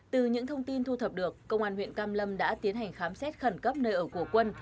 từ những thông tin thu thập được công an huyện cam lâm đã tiến hành khám xét khẩn cấp nơi ở của quân